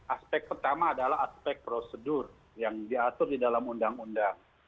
aspek pertama adalah aspek prosedur yang diatur di dalam undang undang